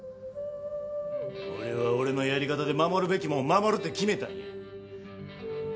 俺は俺のやり方で守るべきもんを守るって決めたんや。